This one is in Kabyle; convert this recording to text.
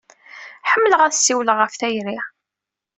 Ḥemmleɣ ad ssiwleɣ ɣef tayri.